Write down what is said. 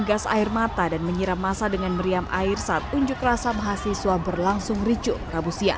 gas air mata dan menyiram masa dengan meriam air saat unjuk rasa mahasiswa berlangsung ricu rabu siang